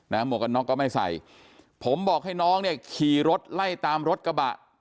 หมวกกันน็อกก็ไม่ใส่ผมบอกให้น้องเนี่ยขี่รถไล่ตามรถกระบะ